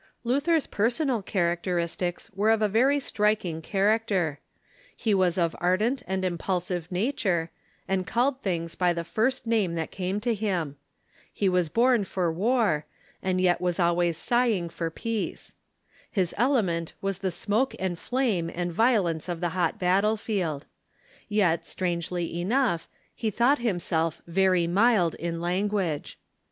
Luther's personal characteristics were of a very striking character. He Avas of ardent and impulsive nature, and called things by the first name that came to him. He was Personally ^^^''^^^^^^^^''^"*^ Y^^ ^^'^^ always sighing for peace. His element was the smoke and flame and violence of the hot battle field. Yet, strangely enough, he thought him self very mild in language.